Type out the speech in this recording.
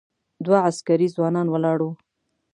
دوه عسکري ځوانان ولاړ و.